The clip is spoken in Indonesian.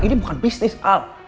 ini bukan bisnis al